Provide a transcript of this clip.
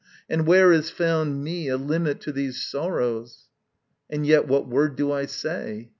And where is found me A limit to these sorrows? And yet what word do I say?